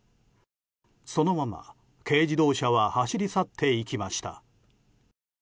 そのまま軽自動車は走り去っていきました。